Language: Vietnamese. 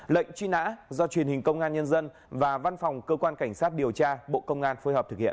lệnh truy nã do truyền hình công an nhân dân và văn phòng cơ quan cảnh sát điều tra bộ công an phối hợp thực hiện